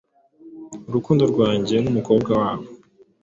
urukundo rwanjye n’umukobwa wabo.